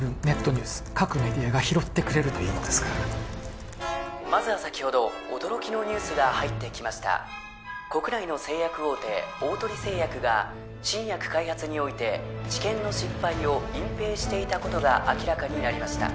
ニュース各メディアが拾ってくれるといいのですがまずは先ほど驚きのニュースが入ってきました国内の製薬大手大鳥製薬が新薬開発において治験の失敗を隠ぺいしていたことが明らかになりました